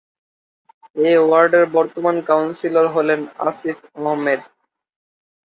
এ ওয়ার্ডের বর্তমান কাউন্সিলর হলেন আসিফ আহমেদ।